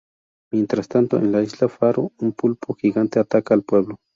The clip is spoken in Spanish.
Mientras tanto, en la Isla Faro, un pulpo gigante ataca al pueblo.